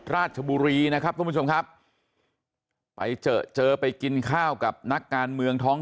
ราชบุรีนะครับทุกผู้ชมครับไปเจอเจอไปกินข้าวกับนักการเมืองท้อง